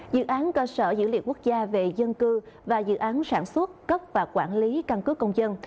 dự án cơ sở dữ liệu quốc gia về dân cư và dự án sản xuất cấp và quản lý căn cứ công dân